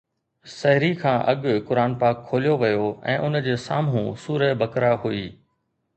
سحري کان اڳ قرآن پاڪ کوليو ويو ۽ ان جي سامهون سوره بقره هئي.